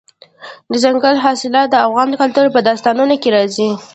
دځنګل حاصلات د افغان کلتور په داستانونو کې راځي.